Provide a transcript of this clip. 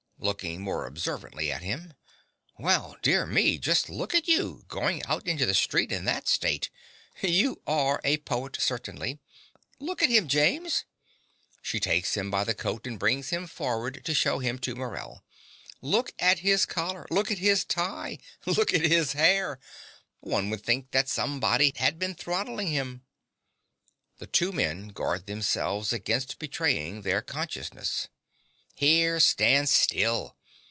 (Looking more observantly at him.) Well, dear me, just look at you, going out into the street in that state! You ARE a poet, certainly. Look at him, James! (She takes him by the coat, and brings him forward to show him to Morell.) Look at his collar! look at his tie! look at his hair! One would think somebody had been throttling you. (The two men guard themselves against betraying their consciousness.) Here! Stand still.